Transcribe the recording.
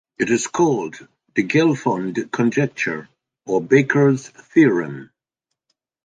It is called the Gelfond conjecture or Baker's theorem.